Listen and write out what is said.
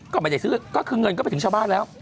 ก็ไม่ได้ซื้อก็คือเงินก็ไปถึงชาวบ้านแล้ว